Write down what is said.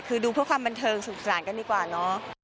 คือดูเพื่อความบันเทิงสุขสนานกันดีกว่าเนอะ